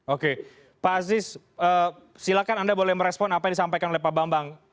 oke pak aziz silakan anda boleh merespon apa yang disampaikan oleh pak bambang